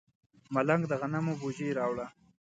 ملنګ د غنمو بوجۍ راوړه.